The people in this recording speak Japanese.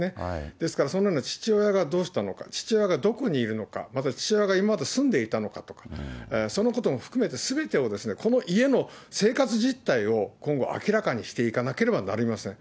ですからその父親がどうしたのか、父親がどこにいるのか、また父親が今まで住んでいたのかとか、そのことも含めてすべてを、この家の生活実態を今後明らかにしていかなければなりません。